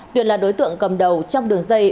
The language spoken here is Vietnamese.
tuyển là đối tượng cầm đầu trong đường dây